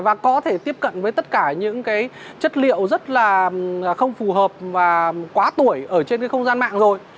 và có thể tiếp cận với tất cả những cái chất liệu rất là không phù hợp và quá tuổi ở trên cái không gian mạng rồi